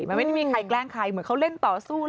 มันไม่ได้มีใครแกล้งใครเหมือนเขาเล่นต่อสู้